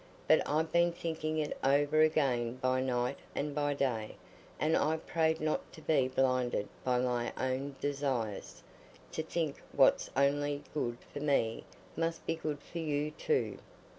But I've been thinking it over again by night and by day, and I've prayed not to be blinded by my own desires, to think what's only good for me must be good for you too.